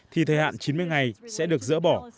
thì thời hạn chín mươi ngày sẽ được dỡ bỏ